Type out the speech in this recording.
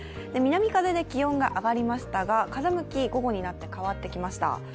南風で気温が上がりましたが、風向き、午後になって変わってきました。